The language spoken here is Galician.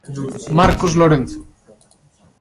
Marcos Lorenzo.